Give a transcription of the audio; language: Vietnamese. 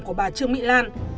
của bà trương mỹ lan